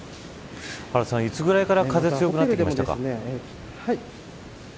いつぐらいから風、強くなってきましたか。